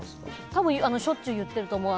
多分しょっちゅう言ってると思う。